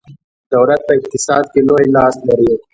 دولت په اقتصاد کې لوی لاس لري.